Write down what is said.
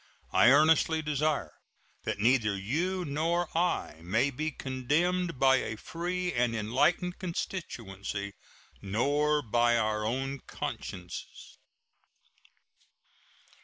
I earnestly desire that neither you nor I may be condemned by a free and enlightened constituency nor by our own consciences.